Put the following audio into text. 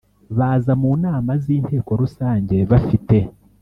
Baza mu nama z inteko Rusange bafite